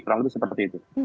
kurang lebih seperti itu